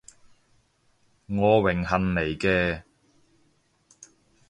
我榮幸嚟嘅